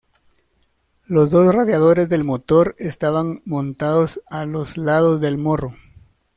Los dos radiadores del motor estaban montados a los lados del morro.